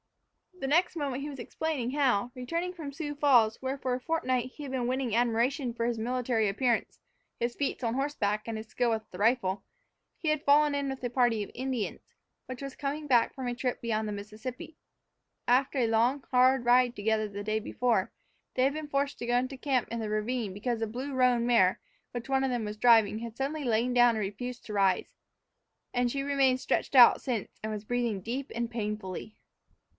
The next moment he was explaining how, returning from Sioux Falls, where for a fortnight he had been winning admiration for his military appearance, his feats on horseback, and his skill with the rifle, he had fallen in with the party of Indians, which was coming back from a trip beyond the Mississippi. After a long, hard ride together the day before, they had been forced to go into camp in the ravine because the blue roan mare which one of them was driving had suddenly lain down and refused to rise. And she had remained stretched out since, and was breathing deep and painfully.